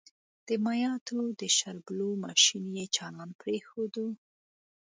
د مايعاتو د شاربلو ماشين يې چالان پرېښود.